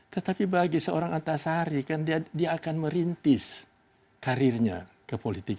tetapi bagi seorang antasari kan dia akan merintis karirnya ke politik